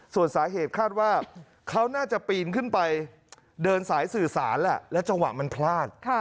ส่วนสาเหตุคาดว่าเขาน่าจะปีนขึ้นไปเดินสายสื่อสารแหละแล้วจังหวะมันพลาด